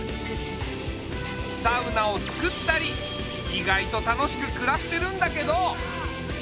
サウナをつくったり意外と楽しくくらしてるんだけど。